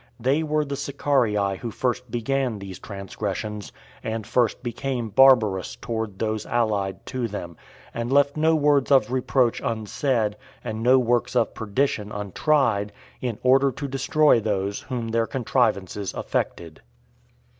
They were the Sicarii who first began these transgressions, and first became barbarous towards those allied to them, and left no words of reproach unsaid, and no works of perdition untried, in order to destroy those whom their contrivances affected.